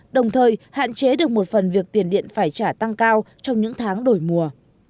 đồng thời hạn chế được một phần việc tiền điện phải trả tăng cao trong những tháng đổi mùa